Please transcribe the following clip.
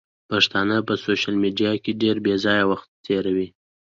پښتانه په سوشل ميډيا کې ډېر بېځايه وخت تيروي.